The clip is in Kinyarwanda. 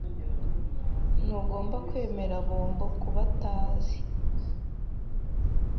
Ntugomba kwemera bombo kubatazi.